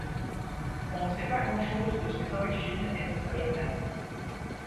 On ne sait pas grand chose de ses origines et de sa jeunesse.